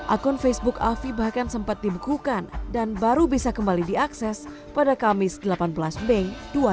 akun facebook afi bahkan sempat dibekukan dan baru bisa kembali diakses pada kamis delapan belas mei dua ribu dua puluh